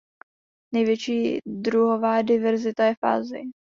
Největší druhová diverzita je v Asii.